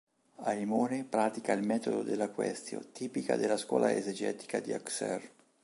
Aimone pratica il metodo della "quaestio", tipica della scuola esegetica di Auxerre.